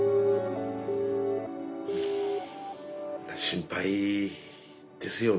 心配ですよね。